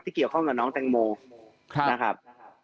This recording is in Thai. เกี่ยวข้องกับน้องแตงโมนะครับ